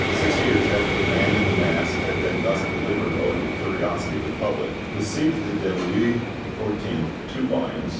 Six years after the Man in the Mask had been thus delivered over to the curiosity of the public, the 'Siecle de Louis XIV' (2 vols.